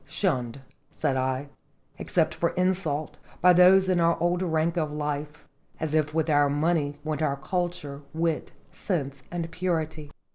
"Shunned," said I, "except for insult, by those in our old rank of life, as if with our money went our culture, wit, sense, and purity."